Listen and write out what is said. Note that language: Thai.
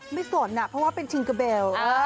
สนเพราะว่าเป็นชิงเกอร์เบล